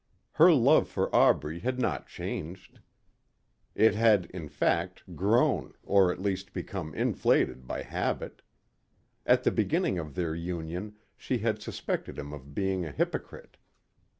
Her love for Aubrey had not changed. It had, in fact, grown or at least become inflated by habit. At the beginning of their union she had suspected him of being a hypocrite.